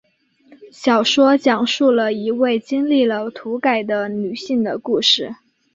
小说讲述了一位经历了土改的女性的故事。